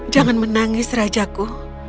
jangan menangis rajaku